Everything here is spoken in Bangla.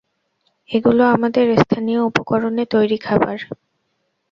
এগুলো আমাদের স্থানীয় উপকরণে তৈরি খাবার।